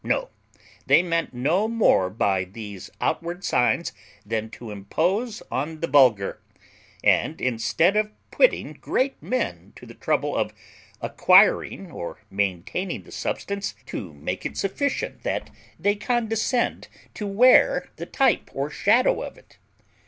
No, they meant no more by these outward signs than to impose on the vulgar, and, instead of putting great men to the trouble of acquiring or maintaining the substance, to make it sufficient that they condescend to wear the type or shadow of it.